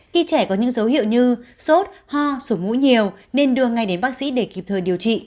khi trẻ có những dấu hiệu như sốt ho sổ mũi nhiều nên đưa ngay đến bác sĩ để kịp thời điều trị